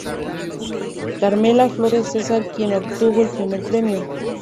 Carmela Flores Cesar quien obtuvo el Primer Premio.